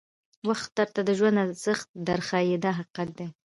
وخت درته د ژوند ارزښت در ښایي دا حقیقت دی.